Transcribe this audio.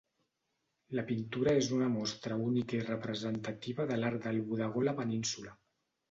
La pintura és una mostra única i representativa de l'art del bodegó a la península.